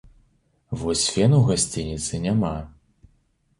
Вось фену ў гасцініцы няма.